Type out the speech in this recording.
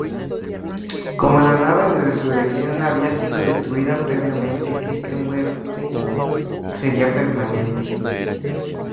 Como la nave de resurrección había sido destruida previamente, este muerte sería permanente.